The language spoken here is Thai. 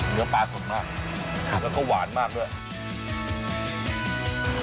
เนื้อปลาสดมากแล้วก็หวานมากด้วย